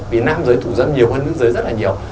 vì nam giới thủ dâm nhiều hơn nước giới rất là nhiều